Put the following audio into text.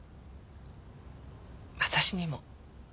私にも。